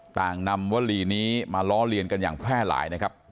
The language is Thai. ต่างนำวลีนี้มาล้อเลียนกันอย่างแพร่หลายนะครับ